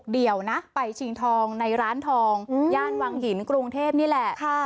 เดี๋ยวนะไปชิงทองในร้านทองย่านวังหินกรุงเทพนี่แหละ